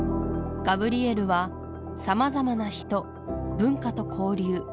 ガブリエルはさまざまな人文化と交流